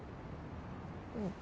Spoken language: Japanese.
うん。